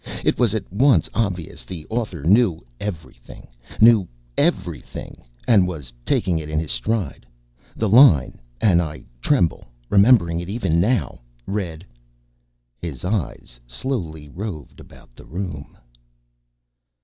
It was at once obvious the author knew everything. Knew everything and was taking it in his stride. The line (and I tremble remembering it even now) read: _... his eyes slowly roved about the room.